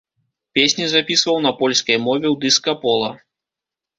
Песні запісваў на польскай мове ў дыска-пола.